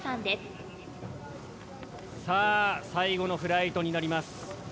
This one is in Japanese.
さあ最後のフライトになります。